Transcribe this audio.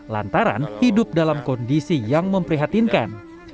lantaran hidup dalam kondisi yang memprihatinkan